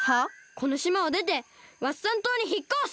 このしまをでてワッサン島にひっこす！